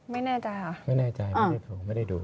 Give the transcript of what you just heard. ไม่แน่ใจค่ะไม่แน่ใจไม่ได้ผมไม่ได้ดู